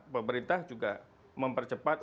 pemerintah juga mempercepat